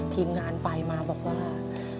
ทีมงานไปมาบอกว่า